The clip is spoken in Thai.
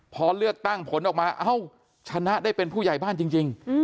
พอเลือกตั้งผลออกมาเอ้าชนะได้เป็นผู้ใหญ่บ้านจริง